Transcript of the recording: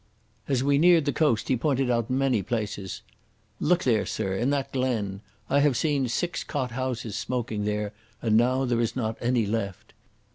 As we neared the coast, he pointed out many places. "Look there, Sir, in that glen. I haf seen six cot houses smoking there, and now there is not any left.